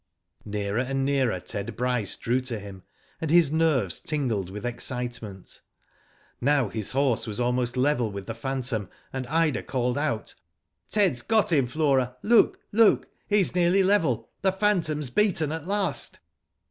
Nearer and nearer Ted Bryce drew to him, and his nerves tingled with excitement. Now his horse was almost level with the phan tom, and Ida called out: "Ted's got him. Flora. Look! Look! He's nearly level. The phantom's beaten at last."